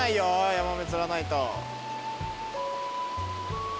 ヤマメ釣らないと。